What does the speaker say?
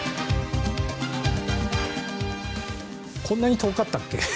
こんなに遠かったっけ？